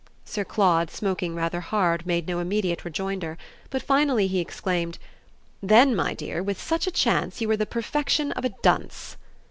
Sir Claude, smoking rather hard, made no immediate rejoinder; but finally he exclaimed: "Then my dear with such a chance you were the perfection of a dunce!"